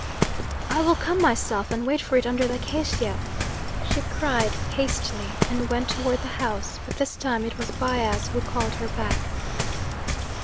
"I will come myself and wait for it under the acacia," she cried hastily, and went toward the house, but this time it was Bias who called her back.